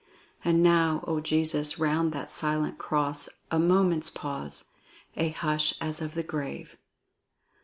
And now, O Jesus! round that silent cross A moment's pause, a hush as of the grave.